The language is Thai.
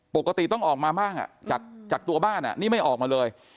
ปกติต้องออกมาบ้างจากตัวบ้านนี่ไม่ออกมาเลย